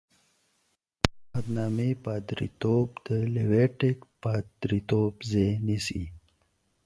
The priesthood of the New Testament takes the place of the Levitical priesthood.